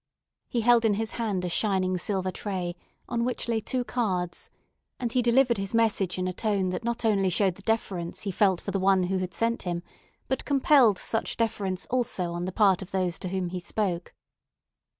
He held in his hand a shining silver tray on which lay two cards, and he delivered his message in a tone that not only showed the deference he felt for the one who had sent him, but compelled such deference also on the part of those to whom he spoke.